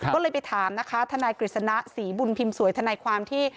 ก็เลยไปถามนะคะทนายกฤษณะศรีบุญพิมพ์สวยทนายความที่